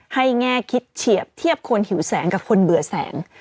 แง่คิดเฉียบเทียบคนหิวแสงกับคนเบื่อแสง